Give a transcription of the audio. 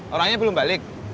orangnya belum balik